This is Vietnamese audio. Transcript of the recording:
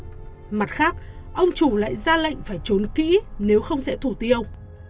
trong các vật khác ông chủ lại ra lệnh phải trốn kỹ nếu không sẽ thủ tiêu